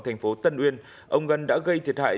tp tân uyên ông ngân đã gây thiệt hại